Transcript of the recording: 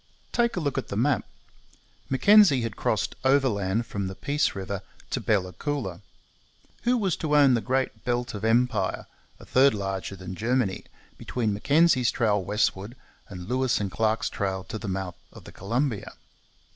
Take a look at the map! Mackenzie had crossed overland from the Peace river to Bella Coola. Who was to own the great belt of empire a third larger than Germany between Mackenzie's trail westward and Lewis and Clark's trail to the mouth of the Columbia?